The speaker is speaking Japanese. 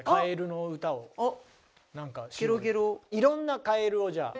色んなカエルをじゃあ。